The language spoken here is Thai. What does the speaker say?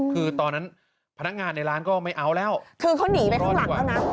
คือตอนนั้นพนักงานในร้านก็ไม่เอาแล้วคือเขาหนีไปข้างหลังแล้วนะ